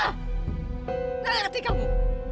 nggak ngerti kamu